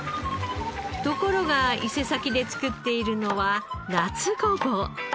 ところが伊勢崎で作っているのは夏ごぼう。